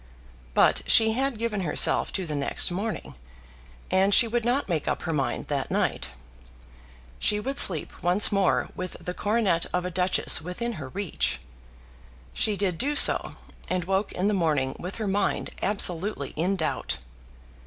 But she had given herself to the next morning, and she would not make up her mind that night. She would sleep once more with the coronet of a duchess within her reach. She did do so; and woke in the morning with her mind absolutely in doubt.